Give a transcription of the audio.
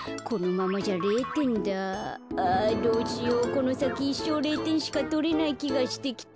このさきいっしょう０てんしかとれないきがしてきた。